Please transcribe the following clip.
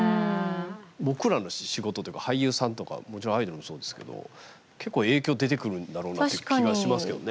僕らの仕事っていうか俳優さんとかもちろんアイドルもそうですけど結構、影響出てくるんだろうなっていう気がしますけどね。